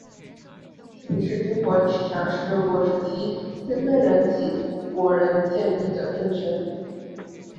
西秦是中国历史上十六国时期鲜卑人乞伏国仁建立的政权。